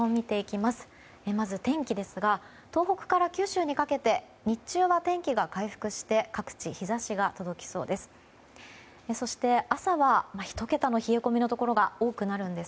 まず天気ですが東北から九州にかけて日中は天気が回復して各地、日差しが届きそうです。